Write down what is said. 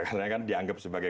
karena kan dianggap sebagai